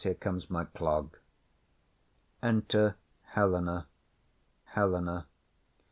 Here comes my clog. Enter Helena. HELENA.